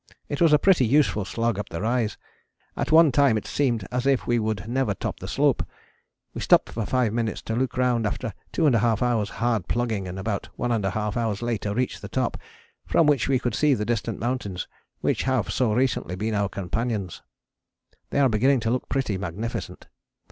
It was a pretty useful slog up the rise, at one time it seemed as if we would never top the slope. We stopped for five minutes to look round after 2½ hours' hard plugging and about 1½ hours later reached the top, from which we could see the distant mountains which have so recently been our companions. They are beginning to look pretty magnificent.